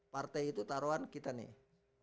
partai itu taruhan kita nih